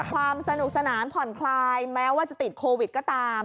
ความสนุกสนานผ่อนคลายแม้ว่าจะติดโควิดก็ตาม